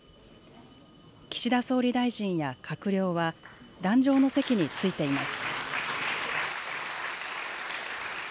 岸田総理大臣や閣僚は壇上の席に着いています。